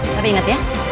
tapi ingat ya